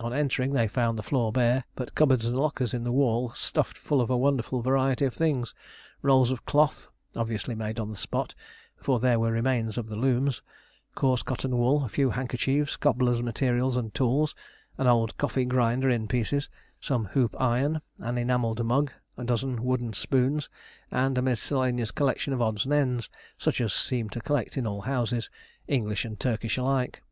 On entering they found the floor bare, but cupboards and lockers in the wall stuffed full of a wonderful variety of things rolls of cloth (obviously made on the spot, for there were remains of the looms), coarse cotton wool, a few handkerchiefs, cobbler's materials and tools, an old coffee grinder in pieces, some hoop iron, an enamelled mug, a dozen wooden spoons, and a miscellaneous collection of odds and ends such as seem to collect in all houses, English and Turkish alike.